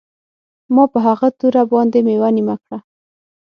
ما په هغه توره باندې میوه نیمه کړه